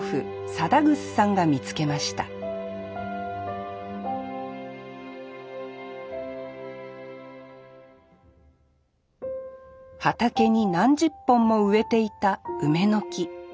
貞楠さんが見つけました畑に何十本も植えていた梅の木。